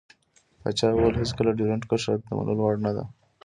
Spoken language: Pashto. پاچا وويل هېڅکله ډيورند کرښه راته د منلو وړ نه دى.